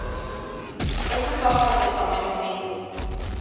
Es un pájaro de tamaño medio.